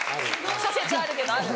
諸説あるけどある！